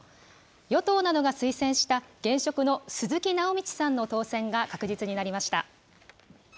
与党などが推薦した現職の鈴木直道さんの当選が確実になりました。